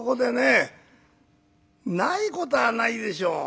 「ないことはないでしょう」。